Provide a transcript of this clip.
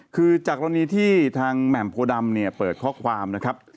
คือจากกรณีที่ทางแหม่มโพดำเนี่ยเปิดข้อความนะครับ